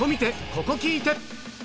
ここ聴いて！